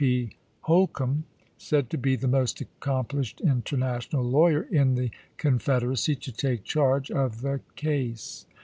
P. Hol combe, said to be the most accomplished inter national lawyer in the Confederacy, to take charge of the case.